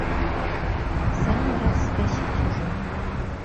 Самы раз касіць ужо.